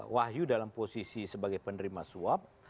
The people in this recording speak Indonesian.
wahyu dalam posisi sebagai penerima suap